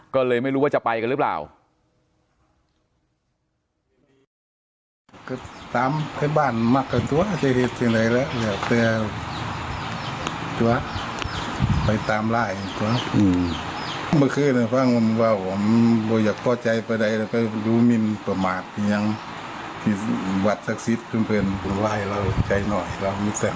ก็เลยไม่รู้ว่าจะไปกันหรือเปล่า